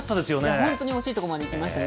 本当に惜しいところまでいきましたね。